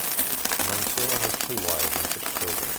Mansour has two wives and six children.